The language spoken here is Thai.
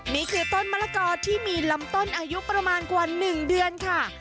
นี่คือต้นมะละกอที่มีลำต้นอายุประมาณกว่า๑เดือนค่ะ